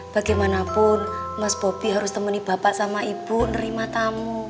bagaimanapun mas bobi harus temeni bapak sama ibu nerima tamu